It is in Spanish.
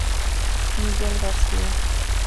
Miguel García